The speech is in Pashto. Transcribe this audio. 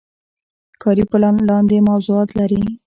کاري پلان لاندې موضوعات لري.